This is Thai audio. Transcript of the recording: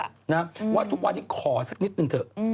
เพราะวันนี้หล่อนแต่งกันได้ยังเป็นสวย